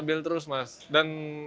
rivalnya itu se staatsver qian